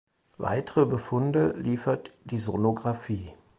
Weitere Befunde liefert die Sonografie.